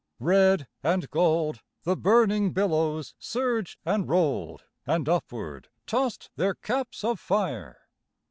Red and gold The burning billows surged and rolled, And upward tossed their caps of fire.